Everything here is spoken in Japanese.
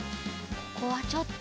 ここはちょっと。